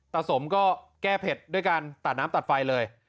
สมก็แก้เผ็ดด้วยการตัดน้ำตัดไฟเลย